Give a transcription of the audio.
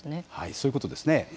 そういうことですね。